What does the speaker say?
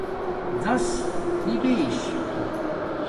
زس نَبش